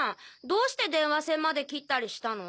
どうして電話線まで切ったりしたの？